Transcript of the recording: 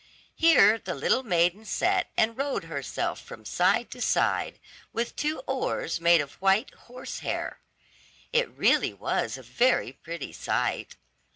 Here the little maiden sat and rowed herself from side to side, with two oars made of white horse hair. It really was a very pretty sight.